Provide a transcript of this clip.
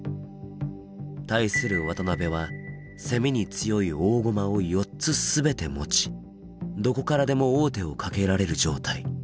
対する渡辺は攻めに強い大駒を４つ全て持ちどこからでも王手をかけられる状態。